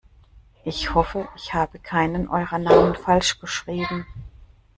Ich hoffe, ich habe keinen eurer Namen falsch geschrieben.